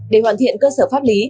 để hoàn thiện cơ sở pháp lý